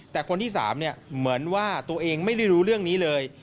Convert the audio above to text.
แต่คนที่๓เหมือนว่าตัวเองไม่ได้รู้เรื่องนี้เลย